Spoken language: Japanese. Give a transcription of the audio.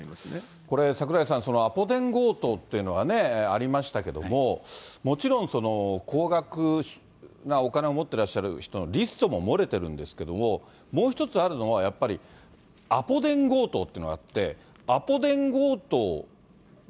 これ、櫻井さん、アポ電強盗というのがありましたけども、もちろん高額なお金を持ってらっしゃる人のリストも漏れてるんですけれども、もう１つあるのは、アポ電強盗というのがあって、アポ電強盗で、